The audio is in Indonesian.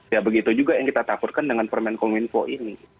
ya begitu juga yang kita takutkan dengan permain komunikasi info ini